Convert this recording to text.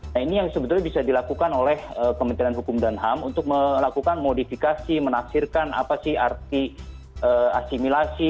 nah ini yang sebetulnya bisa dilakukan oleh kementerian hukum dan ham untuk melakukan modifikasi menafsirkan apa sih arti asimilasi